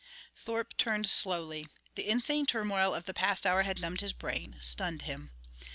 Thorpe turned slowly. The insane turmoil of the past hour had numbed his brain, stunned him.